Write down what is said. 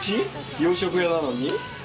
洋食屋なのに？